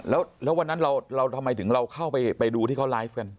แล้ววันนั้นเราทำไมถึงเราเข้าไปดูที่เขาไลฟ์กัน